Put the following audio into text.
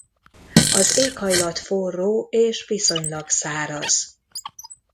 Az éghajlat forró és viszonylag száraz.